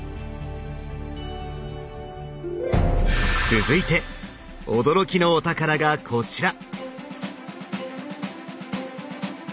続いて驚きのお宝がこちら！